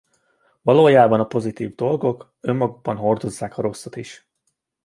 Valójában a pozitív dolgok önmagukban hordozzák a rosszat is.